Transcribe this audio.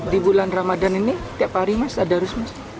di bulan ramadhan ini tiap hari mas tadarus